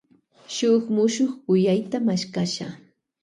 Mashkasha shun muchuk kuyayta.